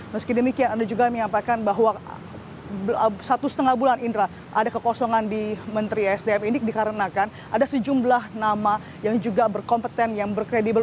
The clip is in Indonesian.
meski demikian anda juga menyampaikan bahwa satu setengah bulan indra ada kekosongan di menteri sdm ini dikarenakan ada sejumlah nama yang juga berkompeten yang berkredibel